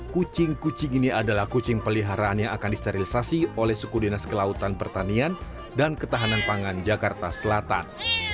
kucing kucing ini adalah kucing peliharaan yang akan disterilisasi oleh suku dinas kelautan pertanian dan ketahanan pangan jakarta selatan